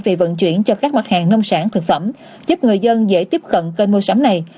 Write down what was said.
vì vận chuyển cho các mặt hàng nông sản thực phẩm giúp người dân dễ tiếp cận kênh mua sắm này